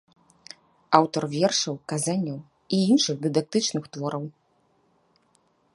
Аўтар вершаў, казанняў і іншых дыдактычных твораў.